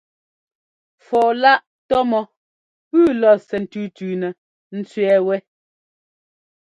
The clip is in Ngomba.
Fɔɔ-láꞌ tɔ́ mɔ́ pʉ́ʉ lɔ̌ɔsɛ́ ńtʉ́tʉ́nɛ ńtẅɛ́ɛ wɛ́.